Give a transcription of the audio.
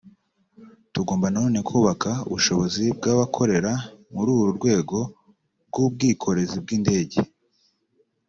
tugomba na none kubaka ubushobozi bw’abakora muri uru rwego bw’ubwikorezi bw’indege